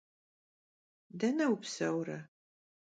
Dene vupseure?